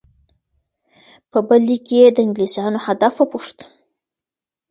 په بل لیک کې یې د انګلیسانو هدف وپوښت.